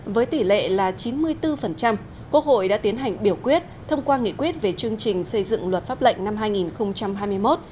với tỷ lệ là chín mươi bốn quốc hội đã tiến hành biểu quyết thông qua nghị quyết về chương trình xây dựng luật pháp lệnh năm hai nghìn hai mươi một